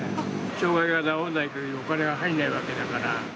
障害が直らないかぎり、お金が入らないわけだから。